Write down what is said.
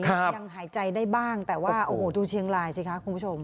ยังหายใจได้บ้างแต่ว่าโอ้โหดูเชียงรายสิคะคุณผู้ชม